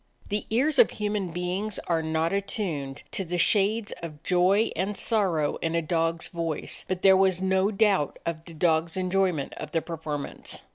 The ears of human beings are not attuned to the shades of joy and sorrow in a dog's voice, but there was no doubt of the dog's enjoyment of the perform ance.